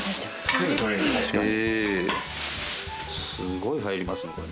すごい入りますね。